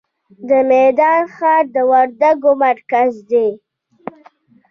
د میدان ښار د وردګو مرکز دی